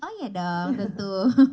oh iya dong tentu